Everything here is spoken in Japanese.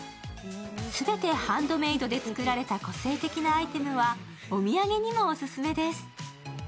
全てハンドメイドで作られた個性的なアイテムは、お土産にもオススメです。